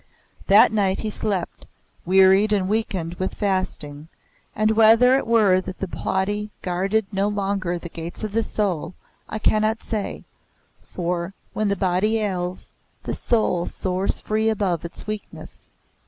That night he slept, wearied and weakened with fasting; and whether it were that the body guarded no longer the gates of the soul, I cannot say; for, when the body ails, the soul soars free above its weakness.